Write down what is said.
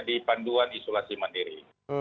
di panduan isolasi mandiri